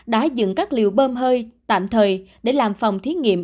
đã dựng các liều bơm hơi tạm thời để làm phòng thí nghiệm